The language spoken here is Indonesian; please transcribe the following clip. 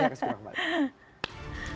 pemilih indonesia dalam pilkada serta